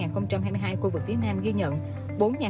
khu vực phía nam ghi nhận